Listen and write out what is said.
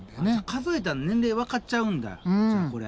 数えたら年齢わかっちゃうんだじゃあこれ。